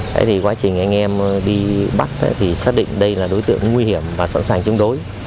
thế thì quá trình anh em đi bắt thì xác định đây là đối tượng nguy hiểm và sẵn sàng chống đối